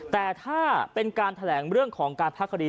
แต่ถ้าเป็นการแถลงเรื่องของการพักคดี